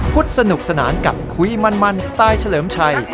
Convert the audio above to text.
สนุกสนานกับคุยมันสไตล์เฉลิมชัย